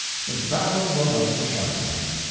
Mr. Badlam wrote up the shark item.